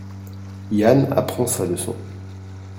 Yann apprend sa leçon.